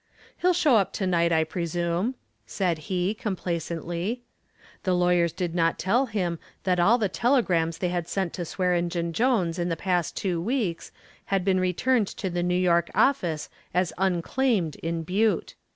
"He'll show up to night, I presume," said he, complacently. The lawyers did not tell him that all the telegrams they had sent to Swearengen Jones in the past two weeks had been returned to the New York office as unclaimed in Butte.